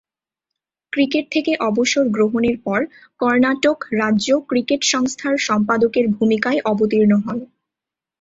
Cricket থেকে অবসর গ্রহণের পর কর্ণাটক রাজ্য ক্রিকেট সংস্থার সম্পাদকের ভূমিকায় অবতীর্ণ হন।